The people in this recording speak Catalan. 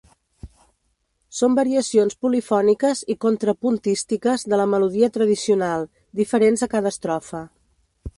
Són variacions polifòniques i contrapuntístiques de la melodia tradicional, diferents a cada estrofa.